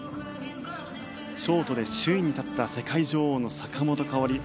ショートで首位に立った世界女王の坂本花織。